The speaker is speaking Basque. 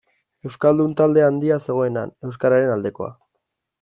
Euskaldun talde handia zegoen han, euskararen aldekoa.